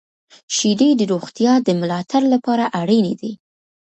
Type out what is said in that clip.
• شیدې د روغتیا د ملاتړ لپاره اړینې دي.